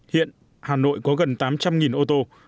hiện hà nội có gần tám trăm linh ô tô